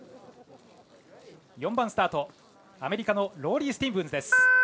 ４番スタート、アメリカのローリー・スティーブンズです。